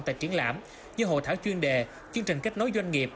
tại triển lãm như hội thảo chuyên đề chương trình kết nối doanh nghiệp